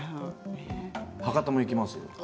博多も行きますよ。